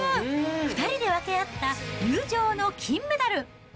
２人で分け合った友情の金メダル。